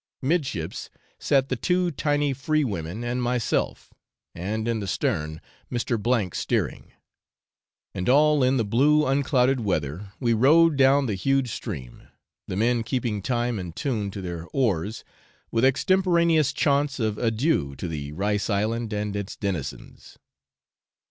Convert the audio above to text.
Midships sat the two tiny free women, and myself, and in the stern Mr. steering. And 'all in the blue unclouded weather' we rowed down the huge stream, the men keeping time and tune to their oars with extemporaneous chaunts of adieu to the rice island and its denizens.